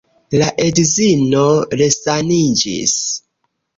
La edzino resaniĝis.